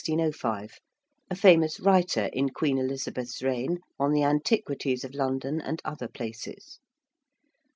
~Stow~ (born 1525, died 1605): a famous writer in Queen Elizabeth's reign on the antiquities of London and other places.